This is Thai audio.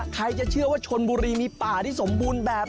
ใครจะเชื่อว่าชนบุรีมีป่าที่สมบูรณ์แบบ